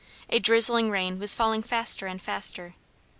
A drizzling rain was falling faster and faster.